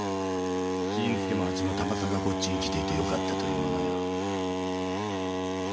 甚助も八もたまさかこっちに来ていてよかったというものよ。